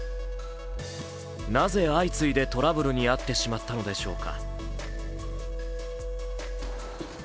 なぜ相次いでトラブルに遭ってしまったのでしょうか。